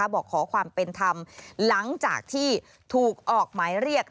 บอกขอความเป็นธรรมหลังจากที่ถูกออกหมายเรียก